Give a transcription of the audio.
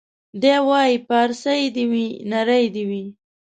دی وايي پارسۍ دي وي نرۍ دي وي